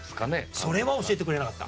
それは教えてくれなかった。